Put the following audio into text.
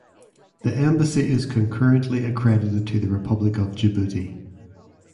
The embassy is concurrently accredited to the Republic of Djibouti.